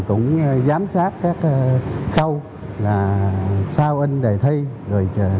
có một thi sinh bị